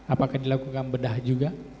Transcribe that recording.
apakah dilakukan bedah juga